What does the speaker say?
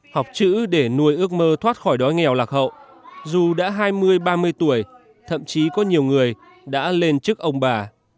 học chữ để nuôi ước mơ thoát khỏi đói nghèo lạc hậu dù đã hai mươi ba mươi tuổi thậm chí có nhiều người đã lên chức ông bà